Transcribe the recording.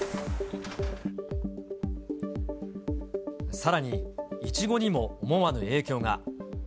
さらに、いちごにも思わぬ影響が。